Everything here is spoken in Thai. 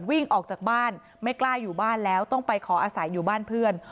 วิ่งออกจากบ้านไม่กล้าอยู่บ้านแล้วต้องไปขออาศัยอยู่บ้านเพื่อน